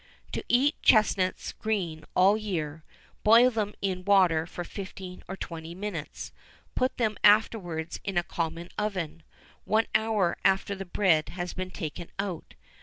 "To eat chesnuts green all the year, boil them in water for fifteen or twenty minutes; put them afterwards in a common oven, one hour after the bread has been taken out.